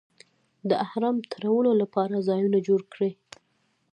د احرام تړلو لپاره ځایونه جوړ کړي.